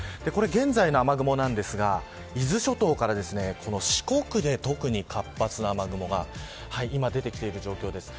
現在の雨雲ですが、伊豆諸島から四国で、特に活発な雨雲が今、出てきている状況です。